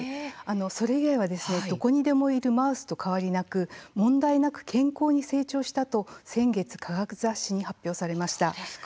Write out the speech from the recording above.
それ以外はどこにでもいるマウスと変わりなく問題なく健康に成長したと先月、科学雑誌に発表されました。